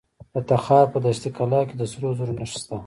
د تخار په دشت قلعه کې د سرو زرو نښې شته.